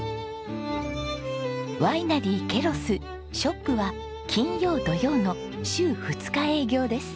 ワイナリーケロスショップは金曜土曜の週２日営業です。